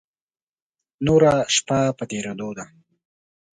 نوره شپه په تېرېدو ده.